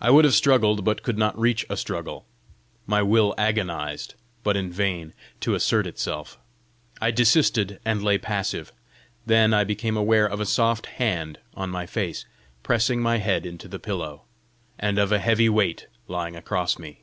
I would have struggled, but could not reach a struggle. My will agonised, but in vain, to assert itself. I desisted, and lay passive. Then I became aware of a soft hand on my face, pressing my head into the pillow, and of a heavy weight lying across me.